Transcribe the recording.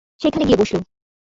সেইখানে গিয়ে বসল।